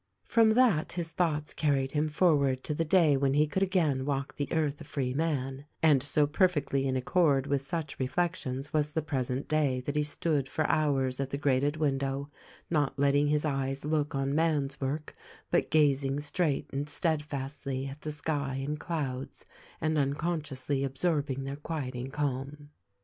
From that his thoughts carried him forward to the day when he could again walk the earth a free man ; and so perfectly in accord with such reflections was the present day that he stood for hours at the grated window, not let ting his eyes look on man's work, but gazing straight and steadfastly at the sky and clouds, and unconsciously absorb ing their quieting calm.